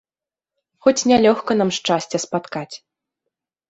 Хоць не лёгка нам шчасця спаткаць!